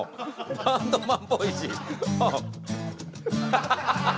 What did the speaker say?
バンドマンっぽいし。